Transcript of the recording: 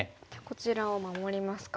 こちらを守りますか。